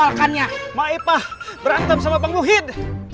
soalkannya maipah berantem sama bang muhid